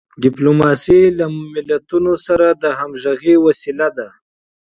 ډیپلوماسي له ملتونو سره د همږغی وسیله ده.